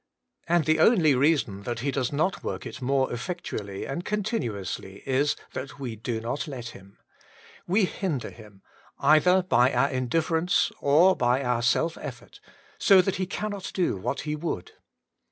And the only reason that He does not work it more effectually and continu ously is, that we do not let HiuL We hinder Him either by our indifference or by our self effort, so that He cannot do what He would.